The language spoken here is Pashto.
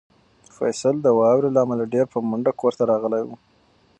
فیصل د واورې له امله ډېر په منډه کور ته راغلی و.